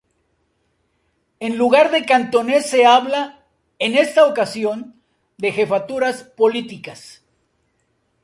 En lugar de cantones se habla, en esta ocasión, de Jefaturas Políticas.